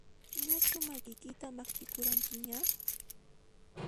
Ñachu makiykita maqchikuranqiña?